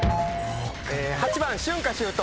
８番春夏秋冬。